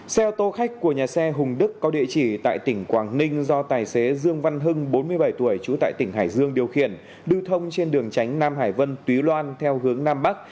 xe ô tô khách của nhà xe hùng đức có địa chỉ tại tỉnh quảng ninh do tài xế dương văn hưng bốn mươi bảy tuổi trú tại tỉnh hải dương điều khiển lưu thông trên đường tránh nam hải vân túy loan theo hướng nam bắc